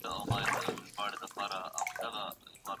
نړيوال سياسي اقتصاد د هېوادونو شتمني کنټرولوي.